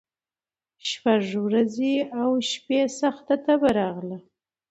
شپږ ورځي او شپي سخته تبه راغله